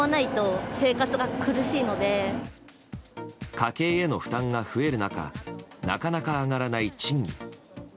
家計への負担が増える中なかなか上がらない賃金。